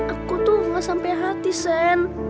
aku tuh gak sampe hati sen